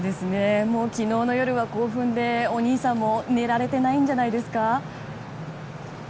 昨日の夜は興奮でお兄さんも、寝られていないんじゃないですか。